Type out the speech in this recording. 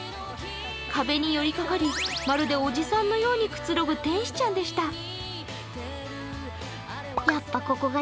壁により掛かりまるでおじさんのようにくつろぐ天使ちゃんでした。